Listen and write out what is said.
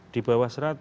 di bawah seratus